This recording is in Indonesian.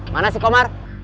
mana si komar